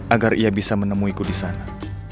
agar ia bisa menemuiku di sana